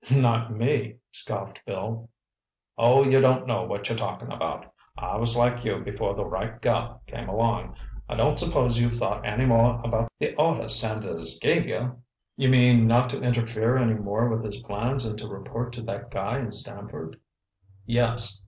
"Not me," scoffed Bill. "Oh, you don't know what you're talking about. I was like you before the right girl came along. I don't suppose you've thought any more about the orders Sanders gave you?" "You mean, not to interfere any more with his plans and to report to that guy in Stamford?" "Yes.